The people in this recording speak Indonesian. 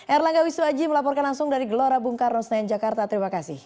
erlangga wisnuaji melaporkan langsung dari gelora bung karno senayan jakarta terima kasih